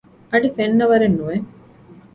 އަޑި ފެންނަވަރެއް ނުވެ